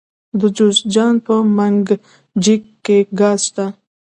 د جوزجان په منګجیک کې ګاز شته.